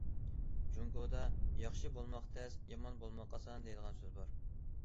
جۇڭگودا، ياخشى بولماق تەس، يامان بولماق ئاسان دەيدىغان سۆز بار.